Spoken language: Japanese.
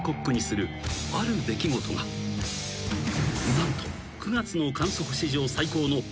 ［何と］